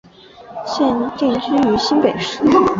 现定居于新北市。